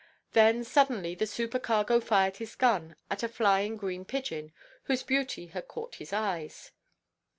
Then suddenly the supercargo fired his gun at a flying green pigeon, whose beauty had caught his eyes.